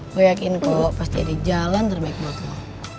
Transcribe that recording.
gue yakin kok pas jadi jalan terbaik buat lo